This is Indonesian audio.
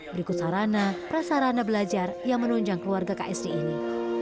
berikut sarana prasarana belajar yang menunjang keluarga ksd ini